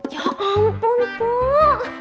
ya ampun pa